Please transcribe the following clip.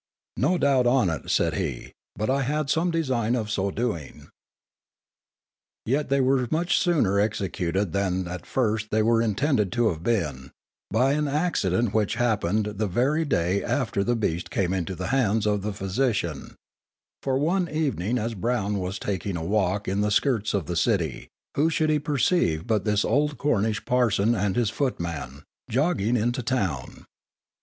No doubt on it, said he; but I had some design of so doing. Yet they were much sooner executed than at first they were intended to have been, by an accident which happened the very day after the beast came into the hands of the physician; for one evening as Brown was taking a walk in the skirts of the city, who should he perceive but his old Cornish parson and his footman, jogging into town.